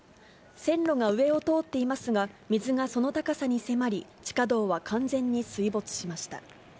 線路が上を通っていますが、水がその高さに迫り、地下道は完全に水没しました。